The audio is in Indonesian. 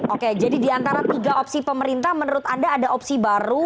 oke jadi diantara tiga opsi pemerintah menurut anda ada opsi baru